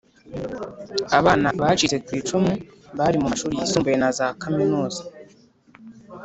Abana bacitse ku icumu bari mu mashuri yisumbuye na za Kaminuza